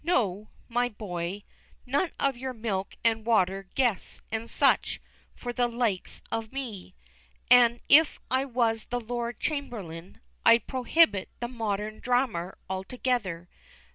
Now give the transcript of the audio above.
No, my boy! none of your milk and water "guests," and such, for the likes of me! An' if I was the Lord Chamberlain, I'd perhibit the modden drarmer altogether.